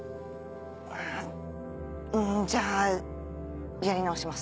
じゃあやり直します。